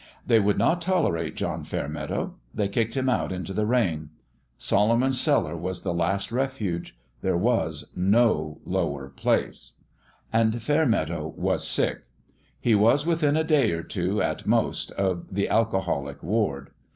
They would not tolerate John Fairmeadow : they kicked him out into the rain. Solomon's Cellar was the last refuge ; there was no lower place. And Fairmeadow was sick. He was within a day or two, at most, of the al coholic ward.